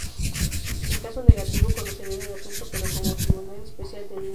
En caso negativo conocería del asunto pero como tribunal especial de límites.